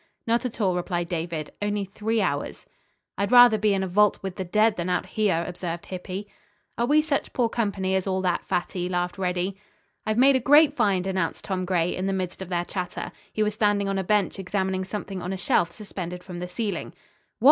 "Not at all," replied David. "Only three hours." "I'd rather be in a vault, with the dead, than out here," observed Hippy. "Are we such poor company as all that, Fatty!" laughed Reddy. "I've made a great find," announced Tom Gray in the midst of their chatter. He was standing on a bench examining something on a shelf suspended from the ceiling. "What?"